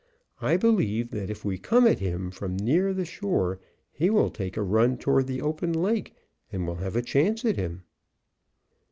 I believe that if we come at him from near the shore he will take a run toward the open lake, and we'll have a chance at him."